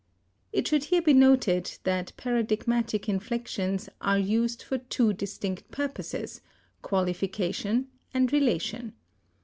It should here be noted that paradigmatic inflections are used for two distinct purposes, qualification and relation.